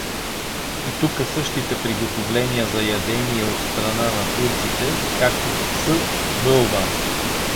И тука същите приготовления за ядение от страна на турците, както в с. Бълван.